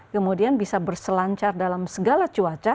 kemudian bisa berselancar dalam segala cuaca